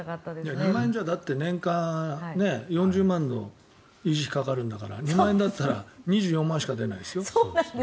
２万円じゃ、年間４０万の維持費がかかるんだから２万円だったら２４万円しか出ないですよ。